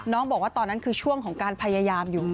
บอกว่าตอนนั้นคือช่วงของการพยายามอยู่